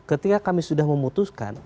ketika kami sudah memutuskan